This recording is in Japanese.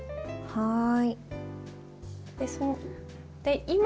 はい。